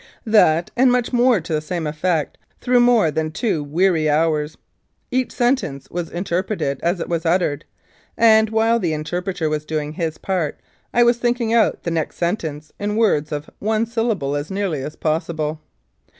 That, and much more to the same effect, through more than two weary hours. Each sentence was inter preted as it was uttered ; and, while the interpreter was doing his part, I was thinking out the next sentence in words of one syllable as nearly as possible.